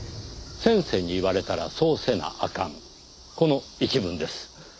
「先生に言われたらそうせなあかん」この一文です。